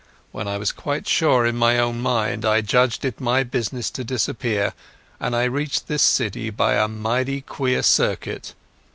When I was quite sure in my own mind I judged it my business to disappear, and I reached this city by a mighty queer circuit.